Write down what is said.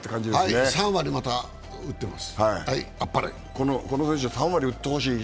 はい、３割また打ってます。